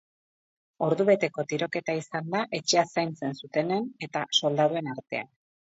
Ordubeteko tiroketa izan da etxea zaintzen zutenen eta soldaduen artean.